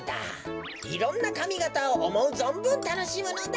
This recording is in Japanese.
いろんなかみがたをおもうぞんぶんたのしむのだ。